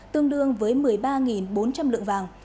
tương đương với một mươi ba bốn trăm linh lượng vàng